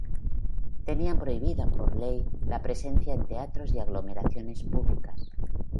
Tenían prohibida por ley la presencia en teatros y aglomeraciones públicas.